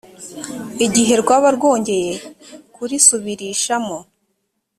igihe rwaba rwongeye kurisubirishamo